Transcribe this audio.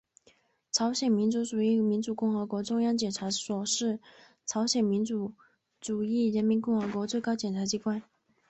朝鲜民主主义人民共和国中央检察所是朝鲜民主主义人民共和国的最高检察机关。